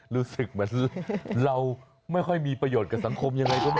รู้สึกว่าเรามิคับประโยชน์ที่สังคมอย่างไรก็ไม่มี